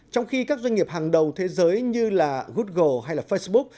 trong khi các doanh nghiệp hàng đầu thế giới như là google hay facebook